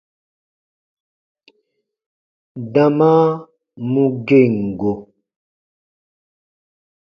Dama mu gem go.